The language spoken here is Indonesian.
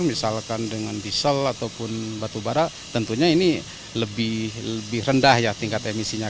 misalkan dengan diesel ataupun batu bara tentunya ini lebih rendah ya tingkat emisinya